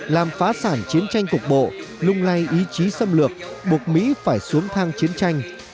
làm phá sản chiến tranh cục bộ lung lay ý chí xâm lược buộc mỹ phải xuống thang chiến tranh